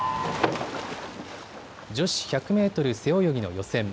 女子１００メートル背泳ぎの予選。